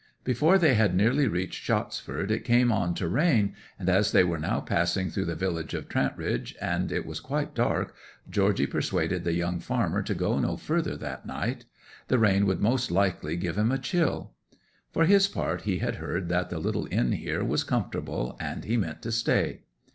Before they had nearly reached Shottsford it came on to rain, and as they were now passing through the village of Trantridge, and it was quite dark, Georgy persuaded the young farmer to go no further that night; the rain would most likely give them a chill. For his part he had heard that the little inn here was comfortable, and he meant to stay.